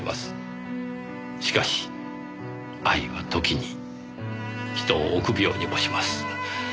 しかし愛は時に人を臆病にもします。